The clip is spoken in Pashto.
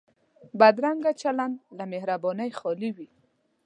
بدرنګه چلند له مهربانۍ خالي وي